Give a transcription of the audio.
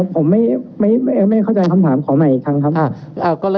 ผมไม่เข้าใจคำถามขอใหม่อีกครั้งครับ